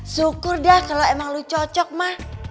syukur dah kalo emang lu cocok ma